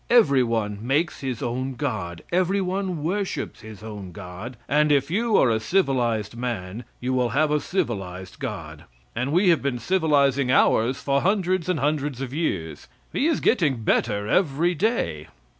Every one makes his own God, every one worships his own God; and if you are a civilized man you will have a civilized God, and we have been civilizing ours for hundreds and hundreds of years. He is getting better every day.